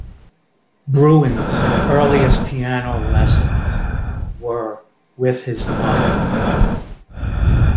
Bruins' earliest piano lessons were with his mother.